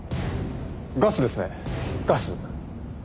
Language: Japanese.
ガスですねガス。